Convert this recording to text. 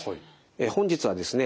本日はですね